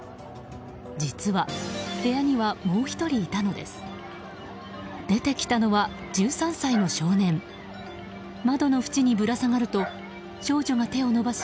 実は部屋にはもう１人いたのです。